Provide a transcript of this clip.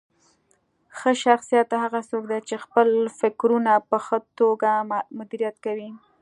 ښه شخصیت هغه څوک دی چې خپل فکرونه په ښه توګه مدیریت کوي.